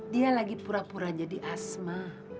dia lagi pura pura jadi asma